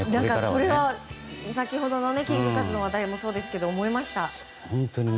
それは先ほどのキングカズの話題でもそうですけど思いました。